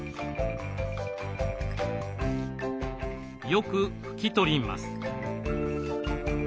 よく拭き取ります。